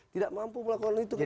tidak mampu melakukan itu ke psb